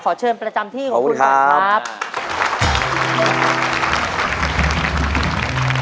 ขอเชิญประจำที่ของคุณครับขอบคุณครับ